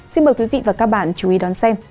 xin mời quý vị và các bạn chú ý đón xem